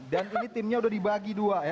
dan ini timnya sudah dibagi dua ya